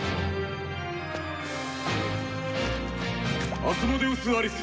「アスモデウス・アリス！